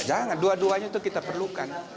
jangan dua duanya itu kita perlukan